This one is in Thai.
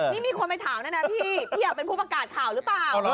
นี่มีคนไปถามด้วยนะพี่พี่อยากเป็นผู้ประกาศข่าวหรือเปล่า